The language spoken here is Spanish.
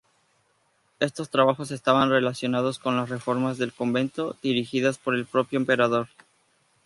Estos trabajos estaban relacionados con las reformas del convento, dirigidas por el propio Emperador.